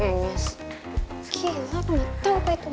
gila gue gak tau apa itu bahan